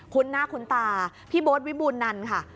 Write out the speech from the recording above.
หน้าคุ้นตาพี่โบ๊ทวิบูรณันค่ะ